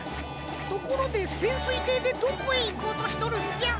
ところでせんすいていでどこへいこうとしとるんじゃ？